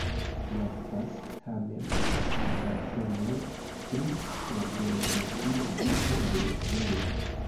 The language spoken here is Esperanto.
Mankas, tamen, datenoj pri la biografia vivo de Jesuo.